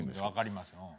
分かりますよ。